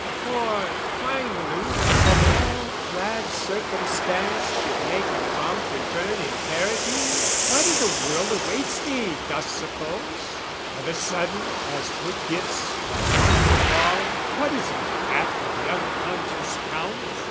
For, finally, of all glad circumstance Should make a prompt return imperative, What i' the world awaits thee, dost suppose? O' the sudden, as good gifts are wont befall, What is the hap of the unconscious Count?